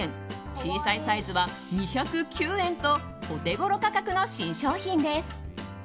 小さいサイズは２０９円とお手ごろ価格の新商品です。